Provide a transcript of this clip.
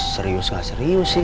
serius gak serius sih